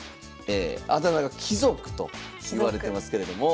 あだ名が「貴族」といわれてますけれども。